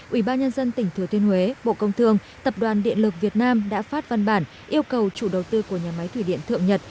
ủy ban nhân dân tỉnh thừa thiên huế bộ công thương tập đoàn điện lực việt nam đã phát văn bản yêu cầu chủ đầu tư của nhà máy thủy điện thượng nhật